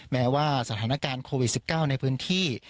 แม้ว่าสถานการณ์โควิด๑๙ในพื้นที่